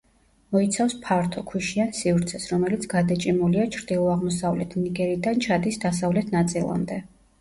მოიცავს ფართო, ქვიშიან სივრცეს, რომელიც გადაჭიმულია ჩრდილო-აღმოსავლეთ ნიგერიდან ჩადის დასავლეთ ნაწილამდე.